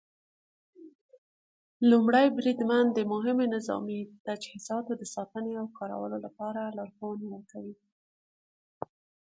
لومړی بریدمن د مهمو نظامي تجهیزاتو د ساتنې او کارولو لپاره لارښوونې ورکوي.